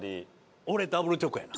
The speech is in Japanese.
俺ダブルチョコやな。